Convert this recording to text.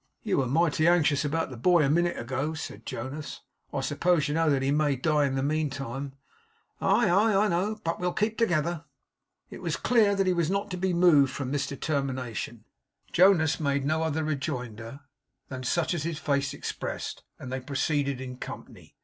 'You were mighty anxious about the boy, a minute ago,' said Jonas. 'I suppose you know that he may die in the meantime?' 'Aye, aye. I know. But we'll keep together.' As it was clear that he was not to be moved from this determination, Jonas made no other rejoinder than such as his face expressed; and they proceeded in company.